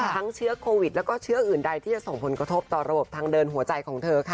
เชื้อโควิดแล้วก็เชื้ออื่นใดที่จะส่งผลกระทบต่อระบบทางเดินหัวใจของเธอค่ะ